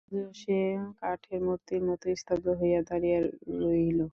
আজও সে কাঠের মূর্তির মতো স্তব্ধ হইয়া দাঁড়াইয়া রহিল।